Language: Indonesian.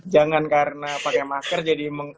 jangan karena pakai masker jadi